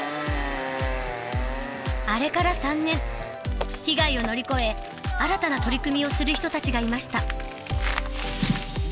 あれから３年被害を乗り越え新たな取り組みをする人たちがいました。